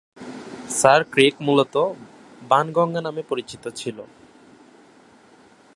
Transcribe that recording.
Sir Creek মূলত বান গঙ্গা নামে পরিচিত ছিল।